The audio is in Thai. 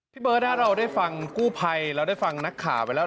พี่เบิร์ดถ้าเราได้ฟังกู้ภัยแล้วได้ฟังนักข่าวไปแล้ว